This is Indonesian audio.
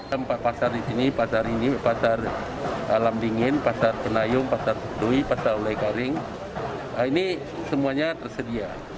tempat pasar di sini pasar ini pasar alam dingin pasar penayung pasar sedui pasar ulai garing ini semuanya tersedia